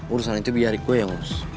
urusan itu biari gue yang urus